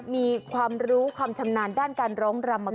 มีความรู้ความชำนาญด้านการร้องรำมา